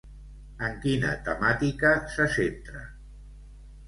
En quina temàtica se centra?